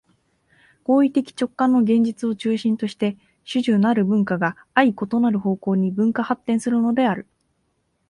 行為的直観の現実を中心として種々なる文化が相異なる方向に分化発展するのである。